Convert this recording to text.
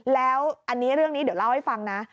แล้วอันนี้เรื่องนี้เดี๋ยวเล่าให้ฟังนะ